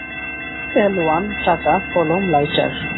L1, টাকা, কলম, lighter.